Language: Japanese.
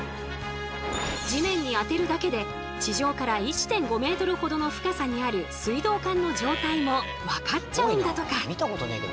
地面にあてるだけで地上から１．５ｍほどの深さにある水道管の状態も分かっちゃうんだとか。